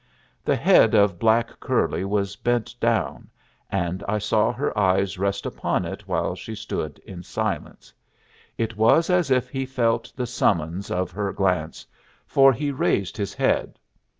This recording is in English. The head of black curly was bent down, and I saw her eyes rest upon it while she stood in silence. It was as if he felt the summons of her glance, for he raised his head.